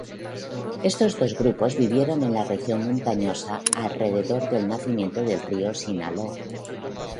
Esos dos grupos vivieron en la región montañosa alrededor del nacimiento del río Sinaloa.